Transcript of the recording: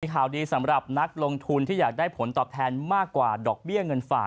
ข่าวดีสำหรับนักลงทุนที่อยากได้ผลตอบแทนมากกว่าดอกเบี้ยเงินฝ่า